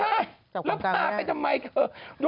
เรียบร้อยเลยเข้าไงเข้าทำให้รู้ว่าไม่รู้ตัว